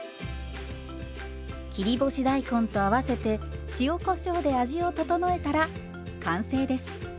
切り干し大根と合わせて塩こしょうで味を調えたら完成です。